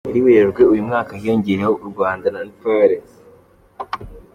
Muri Werurwe uyu mwaka hiyongereyeho u Rwanda na Nepal.